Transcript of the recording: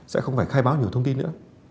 sẽ không phải khai báo nhiều thông tin nữa